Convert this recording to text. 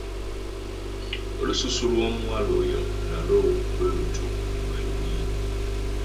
Olususu lw'omuwala oyo nalwo bwe lutyo bwe luli.